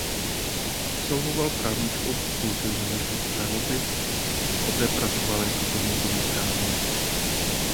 Absolvoval Právnickou fakultu Univerzity Karlovy a poté pracoval jako podnikový právník.